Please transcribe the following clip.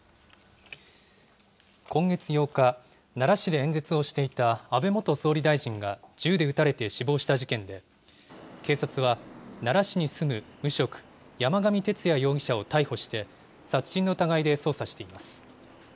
今月８日、奈良市で演説をしていた安倍元総理大臣が銃で撃たれて死亡した事件で、警察は、奈良市に住む無職、山上徹也容疑者を逮捕して、殺人の疑いで捜査しています。